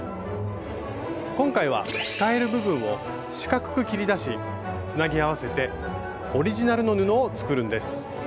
今回は使える部分を四角く切り出しつなぎ合わせてオリジナルの布を作るんです。